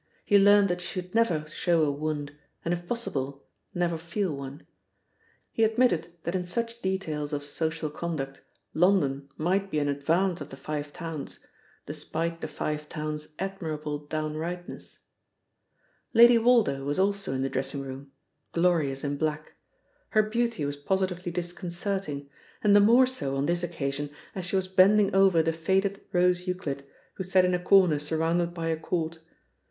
He learnt that you should never show a wound, and if possible never feel one. He admitted that in such details of social conduct London might be in advance of the Five Towns, despite the Five Towns' admirable downrightness. Lady Woldo was also in the dressing room, glorious in black. Her beauty was positively disconcerting, and the more so on this occasion as she was bending over the faded Rose Euclid, who sat in a corner surrounded by a court.